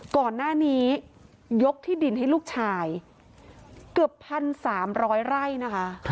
ก่อนหน้านี้ยกที่ดินให้ลูกชายเกือบ๑๓๐๐ไร่นะคะ